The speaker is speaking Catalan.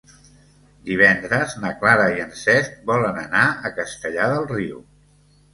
Divendres na Clara i en Cesc volen anar a Castellar del Riu.